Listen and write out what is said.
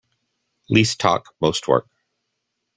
Least talk most work.